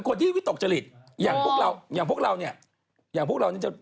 ก็แล้วมันจะเป็นซีซันนิ่งเถอะ